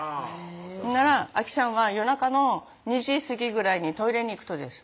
ほんならあきちゃんは夜中の２時すぎぐらいにトイレに行くとです